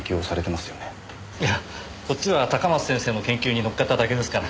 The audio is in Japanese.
いやこっちは高松先生の研究に乗っかっただけですから。